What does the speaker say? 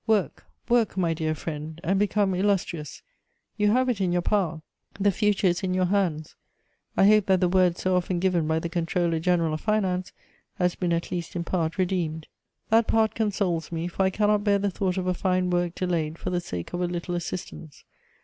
Work, work, my dear friend, and become illustrious. You have it in your power: the future is in your hands. I hope that the word so often given by the 'controller general of finance' has been at least in part redeemed. That part consoles me, for I cannot bear the thought of a fine work delayed for the sake of a little assistance.